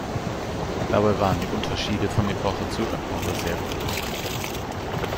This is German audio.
Dabei waren die Unterschiede von Epoche zu Epoche sehr groß.